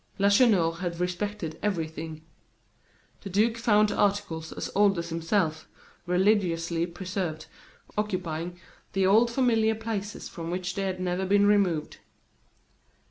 Lacheneur had respected everything. The duke found articles as old as himself, religiously preserved, occupying the old familiar places from which they had never been removed.